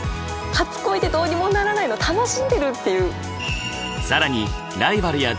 初恋ってどうにもならないの楽しんでるっていう。